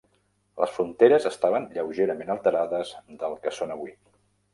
Les fronteres estaven lleugerament alterades del que són avui.